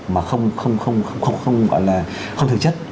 mà không thực chất